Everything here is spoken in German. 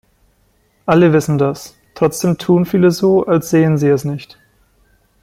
Alle wissen das, trotzdem tun viele so, als sähen sie es nicht.